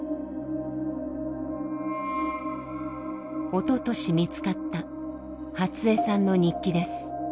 おととし見つかった初恵さんの日記です。